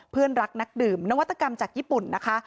เพื่อนรักนักดื่มนวัตกรรมจากญี่ปุ่นนะคะ